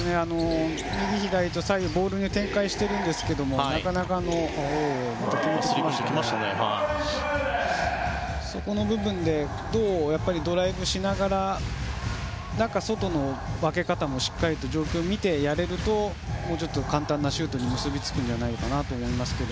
右、左と左右に展開していましたがそこの部分でどうドライブしながら中、外の分け方もしっかりと状況を見てやれるともうちょっと簡単なシュートに結びつくんじゃないのかなと思いますけど。